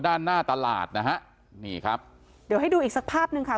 ด้านหน้าตลาดนะฮะนี่ครับเดี๋ยวให้ดูอีกสักภาพหนึ่งค่ะ